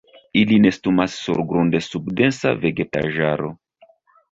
Ili nestumas surgrunde sub densa vegetaĵaro.